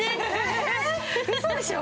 えウソでしょ！